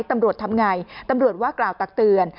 ตำรวจทำไงตำรวจว่ากล่าวตักเตือน